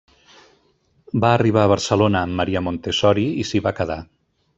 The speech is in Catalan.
Va arribar a Barcelona amb Maria Montessori i s’hi va quedar.